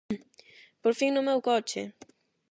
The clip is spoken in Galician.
Por fin no meu coche!